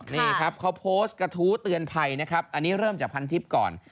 นี่ครับเขาโพสต์กระทู้เตือนภัยนะครับอันนี้เริ่มจากพันทิพย์ก่อน